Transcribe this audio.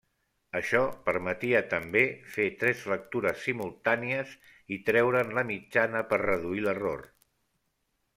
Això permetia també fer tres lectures simultànies i treure'n la mitjana per reduir l'error.